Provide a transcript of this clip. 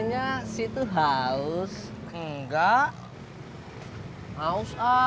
masih ada yang mau